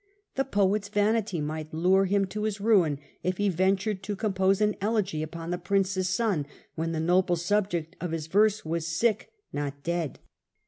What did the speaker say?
The poet's vanity might lure him to his ruin if he ventured to compose an elegy upon the prince's son, when the noble subject of his verse was sick, not dead.